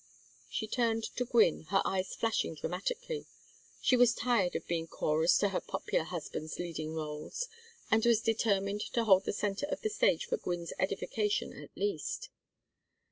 She turned to Gwynne, her eyes flashing dramatically; she was tired of being chorus to her popular husband's leading rôles, and was determined to hold the centre of the stage for Gwynne's edification at least.